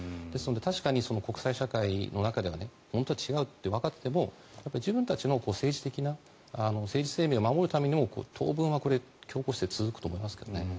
確かに国際社会の中で本当は違うとわかっていても自分たちの政治的な政治生命を守るためには当分は、強硬姿勢が続くと思いますけどね。